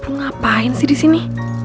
ngapain sih di sini